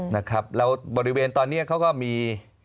แล้วบริเวณตอนนี้เค้าก็มี